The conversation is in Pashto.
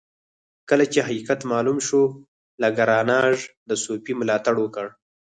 کله چې حقیقت معلوم شو لاګرانژ د صوفي ملاتړ وکړ.